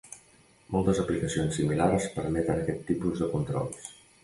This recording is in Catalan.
Moltes aplicacions similars permeten aquest tipus de controls.